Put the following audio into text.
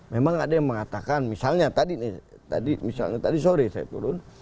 memang ada yang mengatakan misalnya tadi sore saya turun